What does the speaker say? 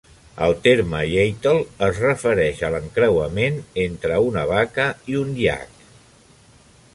El terme yattle es refereix a l'encreuament entre una vaca i un iac.